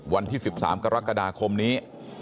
วันที่สิบสามกรกฎาคมนี้